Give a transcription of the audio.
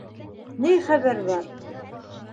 — Ни хәбәр бар?